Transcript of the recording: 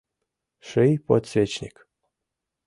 Ший подсвечник!